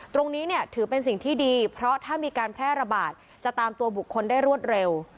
ตรงนี้เนี่ยถือเป็นสิ่งที่ดีเพราะถ้ามีการแพร่ระบาดจะตามตัวบุคคลได้รวดเร็ว